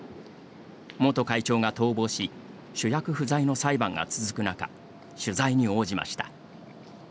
元会長が逃亡し、主役不在の裁判が続く中、取材に応じました。